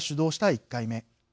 １回目。